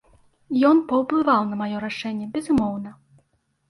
Ён паўплываў на маё рашэнне, безумоўна.